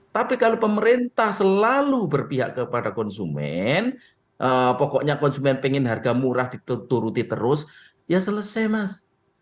tapi kalau pemerintah selalu berpihak kepada konsumen pokoknya konsumen pengen harga murah dituruti terus ya selesai mas